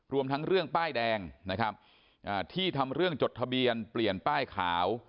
รวมทั้งเรื่องป้ายแดงนะครับที่ทำเรื่องจดทะเบียนเปลี่ยนป้ายขาว